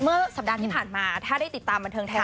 เมื่อสัปดาห์ที่ผ่านมาถ้าได้ติดตามบันเทิงไทยรัฐ